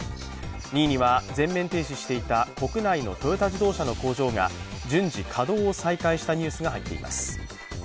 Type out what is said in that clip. ２位には、全面停止していた国内のトヨタ自動車の工場が順次稼働を再開したニュースが入っています。